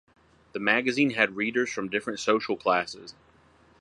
The magazine had readers from different social classes.